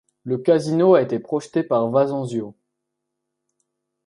Le casino a été projeté par Vasanzio.